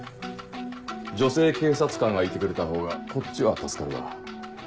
女性警察官がいてくれたほうがこっちは助かるが。